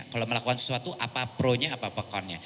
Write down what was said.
kalau melakukan sesuatu apa pro nya apa pekon nya